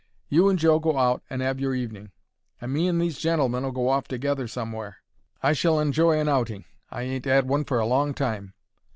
"You and Joe go out and 'ave your evening, and me and these gentlemen'll go off together somewhere. I shall enjoy an outing; I ain't 'ad one for a long time."